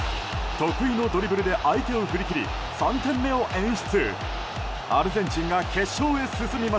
得意のドリブルで相手を振り切り３点目を演出。